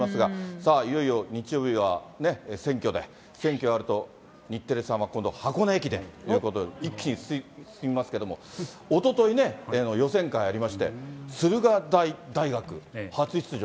さあ、いよいよ日曜日は選挙で、選挙終わると日テレさんは今度、箱根駅伝ということで、一気に進みますけれども、おとといね、予選会ありまして、駿河台大学、初出場。